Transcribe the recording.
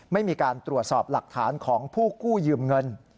ไม่มีการตรวจสอบหลักฐานของผู้กู้ยืมเงิน